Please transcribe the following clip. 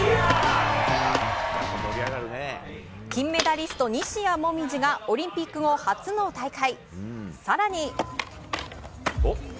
金メダリスト、西矢椛がオリンピック後初の大会。